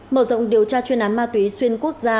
mở rộng điều tra chuyên án ma túy xuyên quốc gia